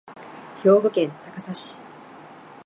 兵庫県高砂市